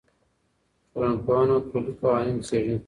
ټولنپوهنه کلي قوانین څېړي.